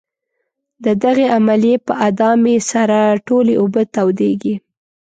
د دغې عملیې په ادامې سره ټولې اوبه تودیږي.